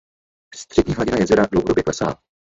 Střední hladina jezera dlouhodobě klesá.